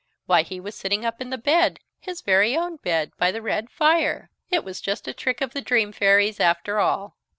Why he was sitting up in the bed, his very own bed, by the red fire! It was just a trick of the dream fairy's, after all.